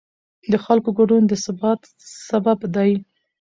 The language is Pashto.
د خلکو ګډون د ثبات سبب دی